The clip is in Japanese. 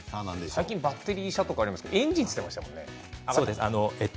最近バッテリー車とかありましたけどエンジンと言っていましたよね。